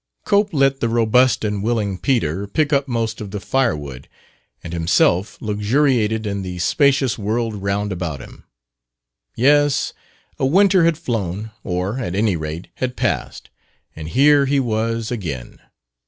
Cope let the robust and willing Peter pick up most of the firewood and himself luxuriated in the spacious world round about him. Yes, a winter had flown or, at any rate, had passed and here he was again.